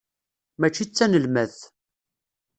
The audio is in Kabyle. Mačči d tanelmadt.